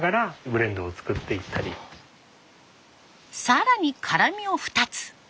更に辛みを２つ。